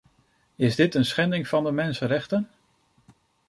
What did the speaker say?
Is dit een schending van de mensenrechten?